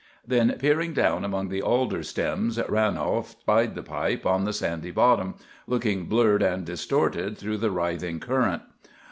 Then, peering down among the alder stems, Ranolf spied the pipe on the sandy bottom, looking blurred and distorted through the writhing current.